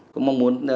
cũng mong muốn